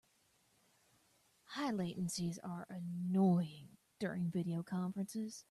High latencies are annoying during video conferences.